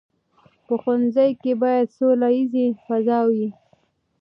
په ښوونځي کې باید سوله ییزه فضا وي.